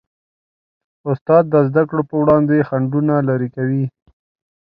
استاد د زدهکړو په وړاندې خنډونه لیرې کوي.